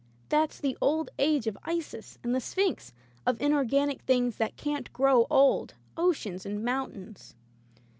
That's the old age of Isis and the Sphinx — of inorganic things that can't grow old — oceans and mountains."